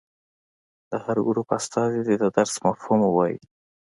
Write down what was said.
د هر ګروپ استازي دې د درس مفهوم ووايي.